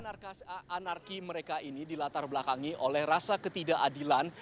anarki mereka ini dilatar belakangi oleh rasa ketidakadilan